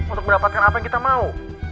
untuk mendapatkan apa yang kita mau